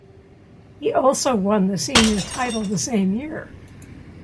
He also won the senior title the same year.